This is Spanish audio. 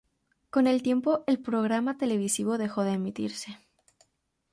Con el tiempo el programa televisivo dejó de emitirse.